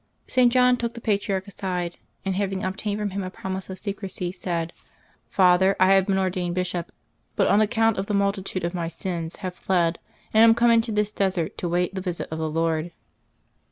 St. John took the patriarch aside, and, having obtained from him a promise of secrecy, said, " Father, I have been ordained bishop ; but on account of the multitude of my sins have fled, and am come into this desert to wait the visit of the Lord."